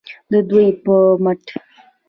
د دوی په مټه